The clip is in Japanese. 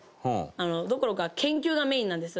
どころか研究がメインなんです。